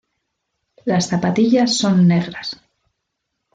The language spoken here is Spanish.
Las zapatillas son negras.